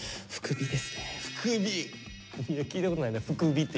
いや聞いたことないな「服」「美」って。